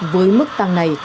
với mức tăng này